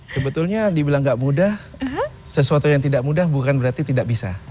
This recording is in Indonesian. sebetulnya dibilang tidak mudah sesuatu yang tidak mudah bukan berarti tidak bisa